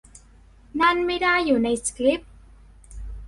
นั่นไม่ได้อยู่ในสคริปต์